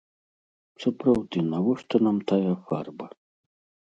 Сапраўды, навошта нам тая фарба?